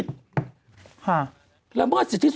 คุณหนุ่มกัญชัยได้เล่าใหญ่ใจความไปสักส่วนใหญ่แล้ว